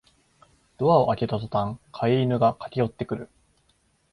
ドアを開けたとたん飼い犬が駆けよってくる